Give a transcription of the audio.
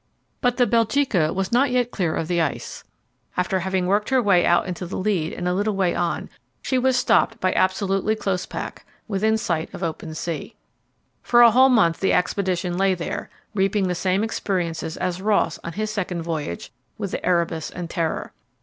But the Belgica was not yet clear of the ice. After having worked her way out into the lead and a little way on, she was stopped by absolutely close pack, within sight of the open sea. For a whole month the expedition lay here, reaping the same experiences as Ross on his second voyage with the Erebus and Terror.